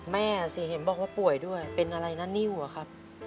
แม่สิเห็นบอกว่าป่วยด้วยเป็นอะไรนะนิ้วอะครับ